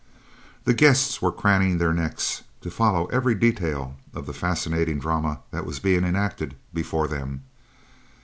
The guests were craning their necks to follow every detail of the fascinating drama that was being enacted before them.